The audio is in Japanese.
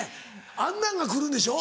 あんなんが来るんでしょ？